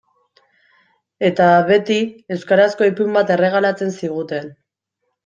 Eta, beti, euskarazko ipuin bat erregalatzen ziguten.